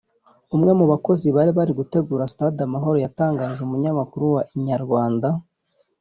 umwe mu bakozi bari bari gutegura Stade Amahoro yatangarije umunyamakuru wa Inyarwanda